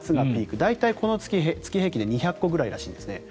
大体、月平均で２００個ぐらいらしいんですね。